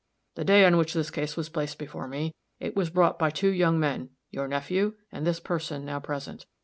The day on which this case was placed before me, it was brought by two young men, your nephew and this person now present.